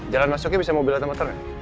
jalan masuknya bisa mobil atau motor nggak